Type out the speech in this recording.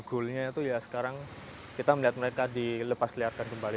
goalnya itu ya sekarang kita melihat mereka dilepasliarkan kembali